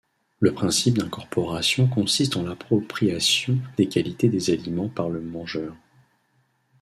Le principe d'incorporation consiste en l'appropriation des qualités des aliments par le mangeur.